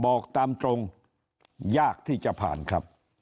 บอกตามตรงยากที่จะผ่านครับ